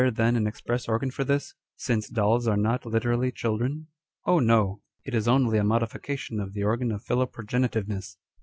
Is there then an express organ for this ; since dolls are not literally children ? Oh no ! it is only a modification of the organ of philoprogenitiveness.